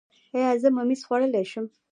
ایا زه ممیز خوړلی شم؟